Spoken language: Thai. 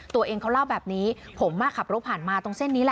ตัวเองเขาเล่าแบบนี้ผมขับรถผ่านมาตรงเส้นนี้แหละ